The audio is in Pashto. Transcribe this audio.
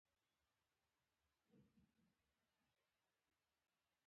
هر څوک حق لري د خپلو حقوقو دفاع وکړي.